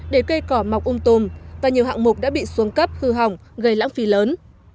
để cây cỏ mọc ung tùm và nhiều hạng mục đã bị xuống cấp hư hỏng gây lãng phí lớn